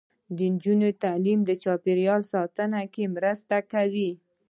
د نجونو تعلیم د چاپیریال ساتنه کې مرسته کوي.